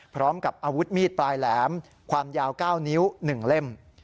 พร้อมกับอาวุธมีดปลายแหลมความยาว๙นิ้ว๑เล่ม